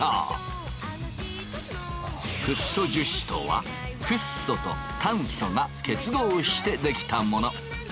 フッ素樹脂とはフッ素と炭素が結合して出来たもの。